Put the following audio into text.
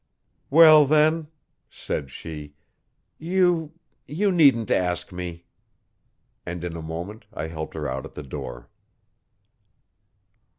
'Well then,' said she, 'you you needn't ask me.' And in a moment I helped her out at the door.